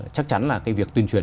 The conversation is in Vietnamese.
chắc chắn là cái việc tuyên truyền